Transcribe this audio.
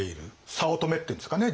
早乙女っていうんですかね